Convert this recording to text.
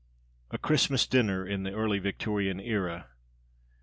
A Christmas dinner in the early Victorian era!